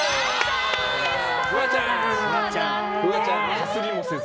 かすりもせず。